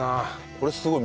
これすごい。